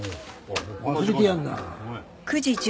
忘れてやんな。